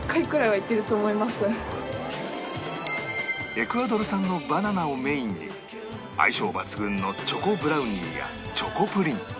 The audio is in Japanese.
エクアドル産のバナナをメインに相性抜群のチョコブラウニーやチョコプリン